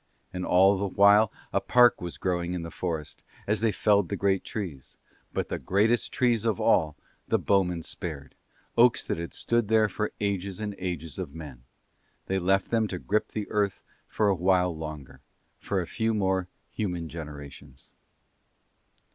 And all the while a park was growing in the forest, as they felled the great trees; but the greatest trees of all the bowmen spared, oaks that had stood there for ages and ages of men; they left them to grip the earth for a while longer, for a few more human generations.